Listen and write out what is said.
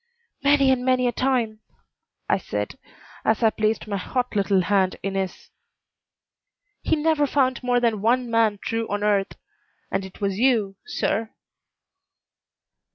"Many and many a time," I said, as I placed my hot little hand in his. "He never found more than one man true on earth, and it was you, Sir."